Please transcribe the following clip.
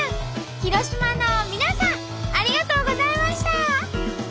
広島の皆さんありがとうございました！